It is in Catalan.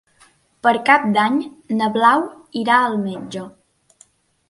Per Cap d'Any na Blau irà al metge.